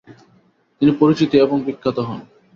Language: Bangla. তিনি পরিচিতি এবং বিখ্যাত হন।